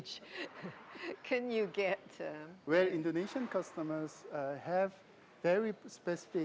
pernahkah penduduk indonesia memiliki perangkat yang sangat spesifik